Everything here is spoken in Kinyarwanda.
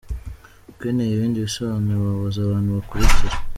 Ukeneye ibindi bisobanuro wabaza abantu bakurikira :